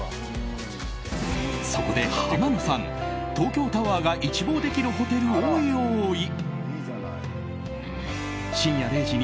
そこで浜野さん東京タワーが一望できるホテルを用意。